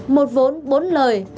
một vốn bốn lời